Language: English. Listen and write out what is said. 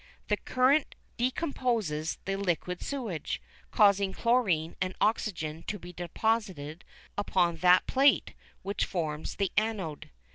The current decomposes the liquid sewage, causing chlorine and oxygen to be deposited upon that plate which forms the anode.